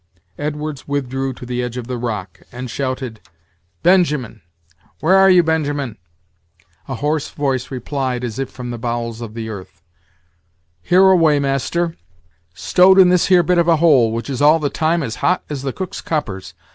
Edwards withdrew to the edge of the rock, and shouted: "Benjamin! where are you, Benjamin?" A hoarse voice replied, as if from the bowels of the earth: "Hereaway, master; stowed in this here bit of a hole, which is all the time as hot as the cook's coppers.